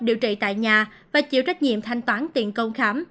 điều trị tại nhà và chịu trách nhiệm thanh toán tiền công khám